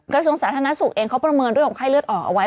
กระทรวงสาธารณสุขเองเขาประเมินเรื่องของไข้เลือดออกเอาไว้